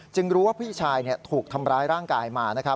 รู้ว่าพี่ชายถูกทำร้ายร่างกายมา